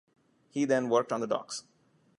He then worked on the docks.